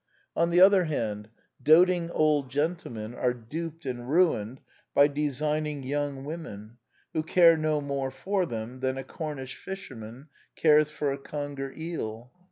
On the other hand, doting old gentlemen are duped and ruined by designing young women who care no more for them than a Cornish fisherman 140 The Quintessence of Ibsenism cares for a conger eel.